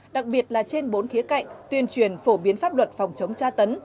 đặc biệt là trên bốn khía cạnh tuyên truyền phổ biến pháp luật phòng chống tra tấn